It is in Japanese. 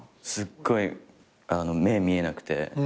すっごい目見えなくて。